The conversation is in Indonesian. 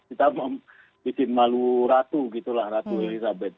kita mau bikin malu ratu gitu lah ratu elizabeth